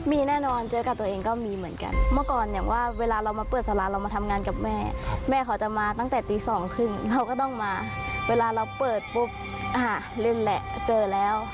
มีแน่นอนเจอกับตัวเองก็มีเหมือนกันเมื่อก่อนอย่างว่าเวลาเรามาเปิดสาราเรามาทำงานกับแม่แม่เขาจะมาตั้งแต่ตีสองครึ่งเราก็ต้องมาเวลาเราเปิดปุ๊บอ่าเล่นแหละเจอแล้ว